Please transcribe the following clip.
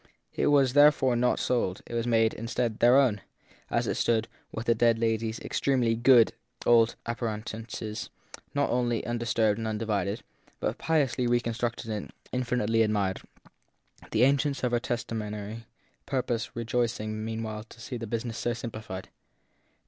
It was therefore not sold; it was made, instead, their own, as it stood, with the dead lady s extremely good old appurte nances not only undisturbed and undivided, but piously reconstructed and infinitely admired, the agents of her testa mentary purpose rejoicing meanwhile to see the business so simplified.